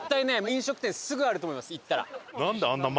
飲食店すぐあると思います行ったら。